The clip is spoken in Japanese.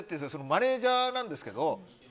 マネジャーなんですけど。